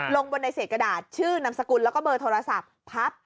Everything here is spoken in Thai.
ลงบนในเศษกระดาษชื่อนามสกุลแล้วก็เบอร์โทรศัพท์พับ